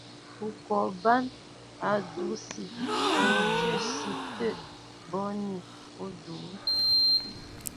Ú kɔ bǎn a dʉsi á cə́si tə̂ bóni udʉ́.